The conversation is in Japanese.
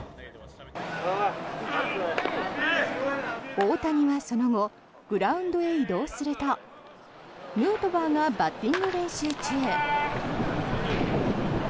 大谷はその後グラウンドへ移動するとヌートバーがバッティング練習中。